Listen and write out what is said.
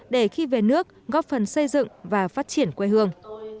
để khi về nước góp phần xây dựng và phát triển quê hương